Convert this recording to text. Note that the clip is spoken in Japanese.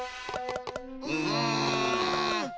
うん！